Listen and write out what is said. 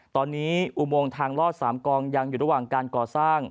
ตอนนี้อุโมงทางลอด๓กองยังอยู่ระหว่างการก่อสร้าง